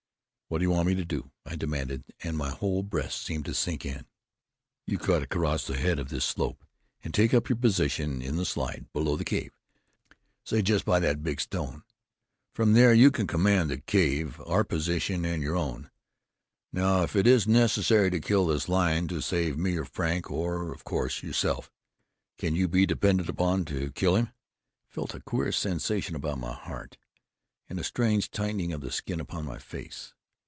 What do you want me to do?" I demanded, and my whole breast seemed to sink in. "You cut across the head of this slope and take up your position in the slide below the cave, say just by that big stone. From there you can command the cave, our position and your own. Now, if it is necessary to kill this lion to save me or Frank, or, of course, yourself, can you be depended upon to kill him?" I felt a queer sensation around my heart and a strange tightening of the skin upon my face!